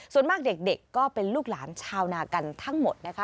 ส่วนมากเด็กก็เป็นลูกหลานชาวนากันทั้งหมดนะคะ